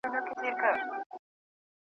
غلی غلی را روان تر منځ د ژرګو .